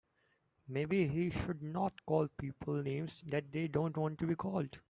Maybe he should not call people names that they don't want to be called.